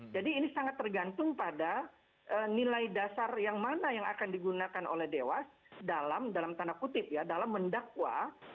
jadi ini sangat tergantung pada nilai dasar yang mana yang akan digunakan oleh dewa dalam dalam tanda kutip ya dalam mendakwa